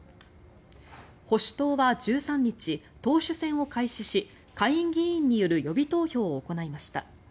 保守党は１３日党首選を開始し下院議員による予備投票を行いました。